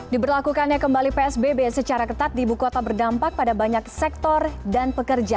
diberlakukannya kembali psbb secara ketat di ibu kota berdampak pada banyak sektor dan pekerja